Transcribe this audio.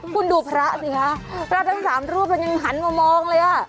คุณดูพระสิคะพระทั้งสามรูปมันยังหันมามองเลยอ่ะ